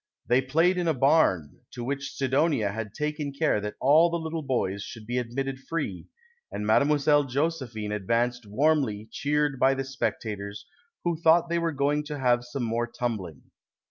They played in a barn, to which Sidonia had taken care that all the little boys should be admitted free, and Mile. Josepliine advanced warmly cheered by the specta tors, " wlio thought they were going to have some more tumbling.'